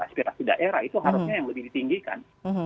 aspirasi daerah itu harusnya yang lebih ditinggikan